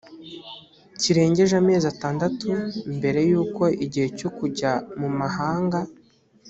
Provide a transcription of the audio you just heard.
kirengeje amezi atandatu mbere y uko igihe cyo kujya mumahanga